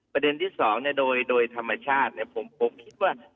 ประเด็นที่สองเนี่ยโดยโดยธรรมชาติเนี่ยผมผมคิดว่า